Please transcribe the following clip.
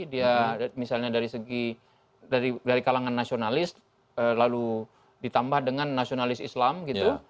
dia misalnya dari segi dari kalangan nasionalis lalu ditambah dengan nasionalis islam gitu